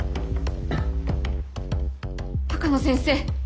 鷹野先生